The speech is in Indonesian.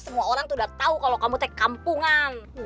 semua orang tuh udah tahu kalau kamu take kampungan